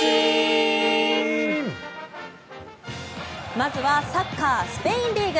まずはサッカースペインリーグ。